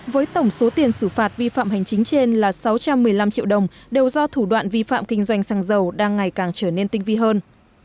với tổng số tiền xử phạt vi phạm hành chính trên là sáu trăm một mươi năm triệu đồng đều do thủ đoạn vi phạm kinh doanh xăng dầu đang ngày càng trở nên tinh vi hơn